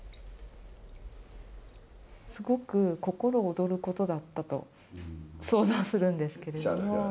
すごく心躍ることだったと想像するんですけれども。